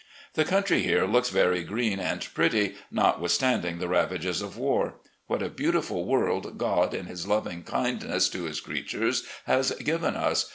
The country here looks very green and pretty, notwithstanding the ravages of war. What a beautiful world God, in His loving kindness to His creatures, has given us